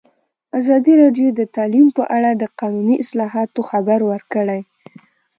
ازادي راډیو د تعلیم په اړه د قانوني اصلاحاتو خبر ورکړی.